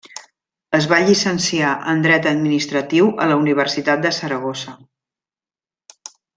Es va llicenciar en dret administratiu a la Universitat de Saragossa.